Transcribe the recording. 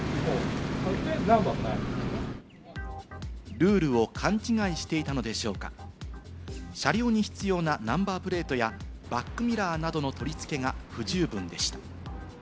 ルールを勘違いしていたのでしょうか、車両に必要なナンバープレートやバックミラーなどの取り付けが不十分でした。